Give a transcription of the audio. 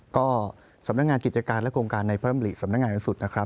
ก็สำนักงานกิจการและโครงการในพระอำรุนสำนักงานอย่างสุด